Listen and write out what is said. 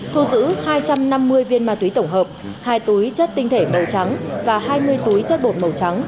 thu giữ hai trăm năm mươi viên ma túy tổng hợp hai túi chất tinh thể màu trắng và hai mươi túi chất bột màu trắng